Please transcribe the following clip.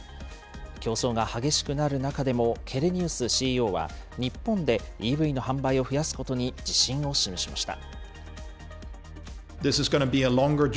競争が激しくなる中でも、ケレニウスＣＥＯは、日本でＥＶの販売を増やすことに自信を示しました。